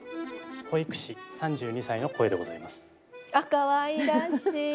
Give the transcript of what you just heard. かわいらしい！